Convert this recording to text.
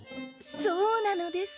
そうなのです！